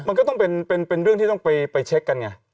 มันก็ต้องเป็นเรื่องที่ต้องไปเช็คกันไง